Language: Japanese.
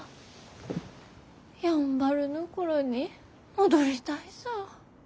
やんばるの頃に戻りたいさぁ。